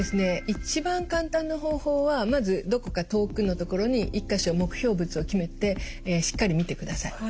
一番簡単な方法はまずどこか遠くの所に１か所目標物を決めてしっかり見てください。